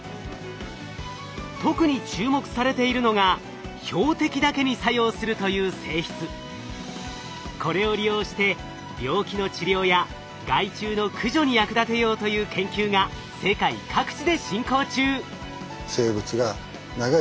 特に注目されているのがこれを利用して病気の治療や害虫の駆除に役立てようという研究が世界各地で進行中。